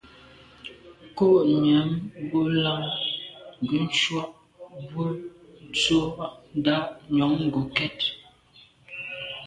Nkô nyam bo làn ke ntshùa bwe ntsho ndà njon ngokèt.